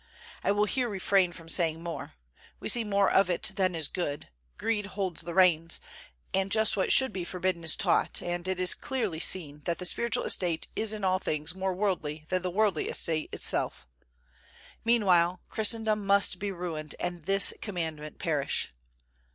I will here refrain from saying more; we see more of it than is good; greed holds the reins, and just what should be forbidden is taught; and it is clearly seen that the spiritual estate is in all things more worldly than the worldly estate itself. Meanwhile Christendom must be ruined, and this Commandment perish.